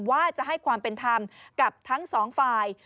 ว่าจะให้ความเป็นธรรมกับทั้งสองฝ่าย